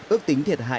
ước tính thiệt hại